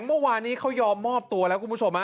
เมื่อวานนี้เขายอมมอบตัวแล้วคุณผู้ชม